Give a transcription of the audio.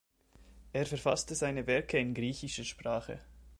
Er verfasste seine Werke in griechischer Sprache.